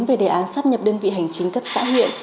về đề án sắp nhập đơn vị hành chính